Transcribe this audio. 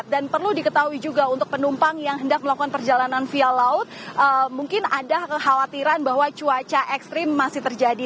dan perlu diketahui juga untuk penumpang yang hendak melakukan perjalanan via laut mungkin ada kekhawatiran bahwa cuaca ekstrim masih terjadi